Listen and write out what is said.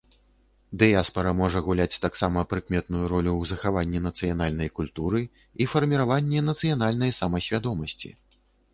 Дыяспара можа гуляць таксама прыкметную ролю ў захаванні нацыянальнай культуры і фарміраванні нацыянальнай самасвядомасці.